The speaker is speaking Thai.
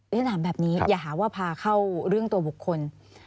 ฉันถามแบบนี้อย่าหาว่าพาเข้าเรื่องตัวบุคคล